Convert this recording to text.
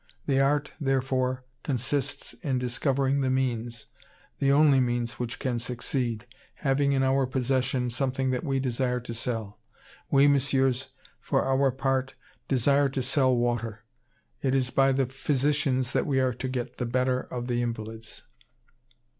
The art, therefore, consists in discovering the means, the only means which can succeed, having in our possession something that we desire to sell. We, Messieurs, for our part, desire to sell water. It is by the physicians that we are to get the better of the invalids.